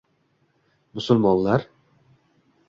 Musulmonlar?